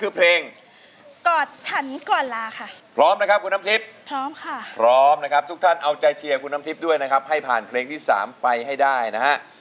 พร้อมนะครับทุกท่านเอาใจเชียร์คุณน้ำทิพย์ด้วยนะครับให้ผ่านเพลงที่สามไปให้ได้นะฮะ